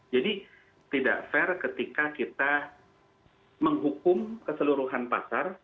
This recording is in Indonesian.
jadi tidak fair ketika kita menghukum keseluruhan pasar